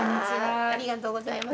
ありがとうございます。